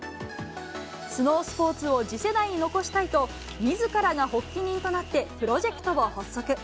スノースポーツを次世代に残したいと、みずからが発起人となって、プロジェクトを発足。